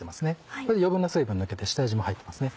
これで余分な水分抜けて下味も入ってますね。